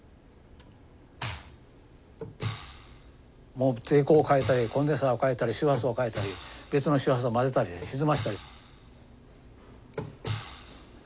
もう抵抗を変えたりコンデンサーを変えたり周波数を変えたり別の周波数を混ぜたりひずましたり。